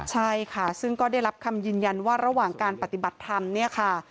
ใช่ค่ะซึ่งก็ได้รับคำยืนยันว่าระหว่างการปฏิบัติธรรมเนี่ยค่ะ